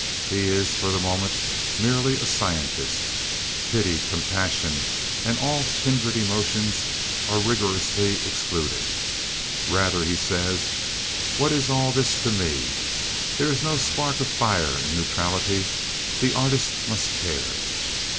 He is, for the moment, merely a scientist. Pity, compassion and all kindred emotions are rigorously excluded. Rather, he says: "What is all this to me?" There is no spark of fire in neutrality. The artist must care.